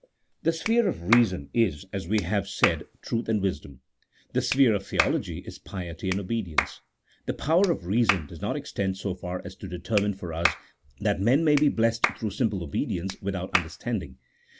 The sphere of reason is, as we have said, truth and wisdom; the sphere of theology is piety and obedience. The power of reason does not extend so far as to determine for us that men may be blessed through simple obedience, without understanding.